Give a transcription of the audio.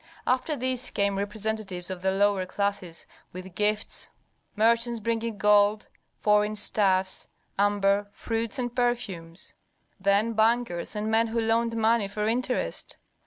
After these came representatives of the lower classes with gifts: merchants bringing gold, foreign stuffs, amber, fruits, and perfumes. Then bankers and men who loaned money for interest.